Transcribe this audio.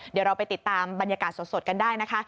เดี๋ยวเราไปติดตามบรรยากาศสดกันได้นะคะ